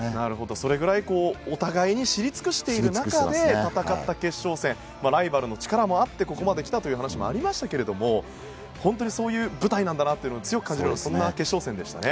それぐらいお互いに知り尽くしている中で戦った決勝戦ライバルの力もあってここまで来たという話もありましたが本当にそういう舞台なんだなというのを強く感じる決勝戦でしたね。